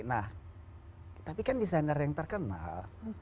nah tapi kan desainer yang terkenal